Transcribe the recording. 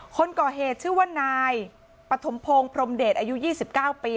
คนก่อเหตุชื่อว่านายปฐมพงศ์พรมเดชอายุ๒๙ปี